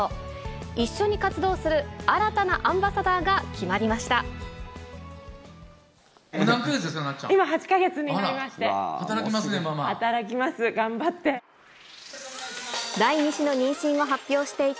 一緒に活動する新たなアンバサダーが決まりました。